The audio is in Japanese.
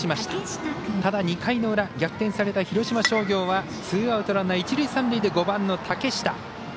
ただ、２回の裏逆転された広島商業はツーアウトランナー、一塁三塁で５番の竹下。